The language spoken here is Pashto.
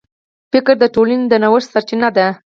فکر د ټولنې د نوښت سرچینه ده.